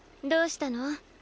どうしたの？